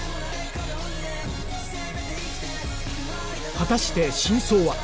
果たして真相は！？